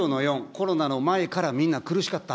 コロナの前からみんな苦しかった。